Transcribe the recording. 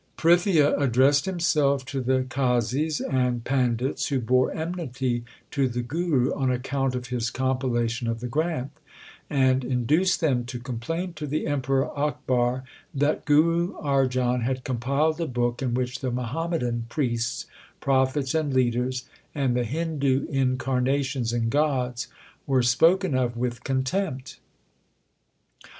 1 Prithia addressed himself to the qazis and pan dits who bore enmity to the Guru on account of his compilation of the Granth, and induced them to complain to the Emperor Akbar that Guru Arjan had compiled a book in which the Muhammadan priests, prophets, and leaders, and the Hindu incar nations and gods, were spoken of with contempt.